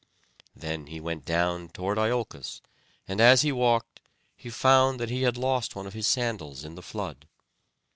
Then he went down toward Iolcos, and as he walked, he found that he had lost one of his sandals in the flood.